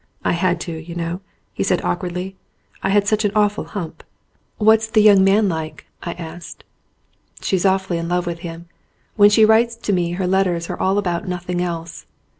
"I had to, you know," he said awkwardly. "I had such an awful hump." 177 ON A CHINESE SCBEEN "What's the young man like?" I asked. "She's awfully in love with him. When she writes to me her letters are about nothing else."